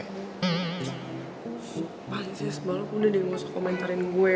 susah banget sih sebaliknya udah dia gak usah komentarin gue